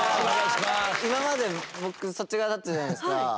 今まで僕そっち側だったじゃないですか。